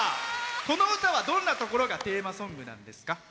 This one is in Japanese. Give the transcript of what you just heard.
この歌は、どんなところがテーマソングなんですか？